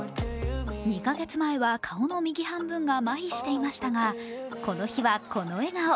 ２カ月前は顔の右半分がまひしていましたが、この日は、この笑顔。